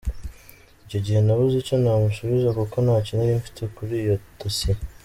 Icyo gihe nabuze icyo namusubiza kuko ntacyo narifite kuri iyo dossier.